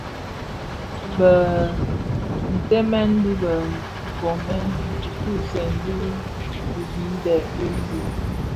Bitenmen bi bë nkomèn ntutusèn dhi biden bi bum,